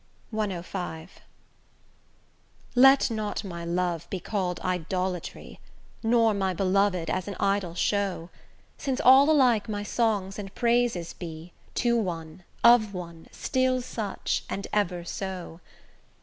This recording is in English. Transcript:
CV Let not my love be call'd idolatry, Nor my beloved as an idol show, Since all alike my songs and praises be To one, of one, still such, and ever so.